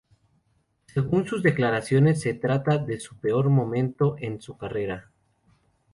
Según sus declaraciones, se trata de "su peor momento en su carrera".